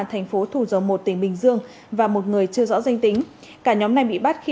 thành phố thủ dầu một tỉnh bình dương và một người chưa rõ danh tính cả nhóm này bị bắt khi